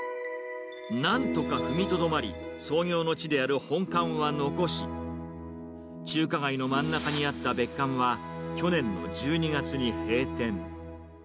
なんとか踏みとどまり、創業の地である本館は残し、中華街の真ん中にあった別館は、去年の１２月に閉店。